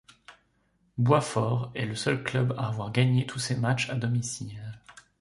Boitsfort est le seul club à avoir gagné tous ses matchs à domicile.